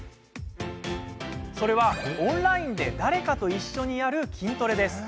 それは、オンラインで誰かと一緒にやる筋トレです。